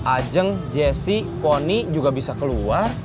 ajeng jessy pony juga bisa keluar